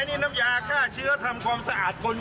นี่น้ำยาฆ่าเชื้อทำความสะอาดคน